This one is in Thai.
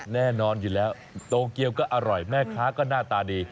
แน่นอนอยู่แล้วโตเกียวก็อร่อยแม่ค้าก็หน้าตาดี